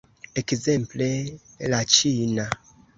Ekzemple, la ĉina.